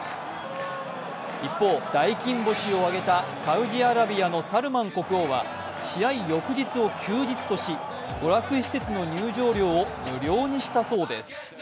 一方、大金星を挙げたサウジアラビアのサルマン国王は試合翌日を休日とし、娯楽施設の入場料を無料にしたそうです。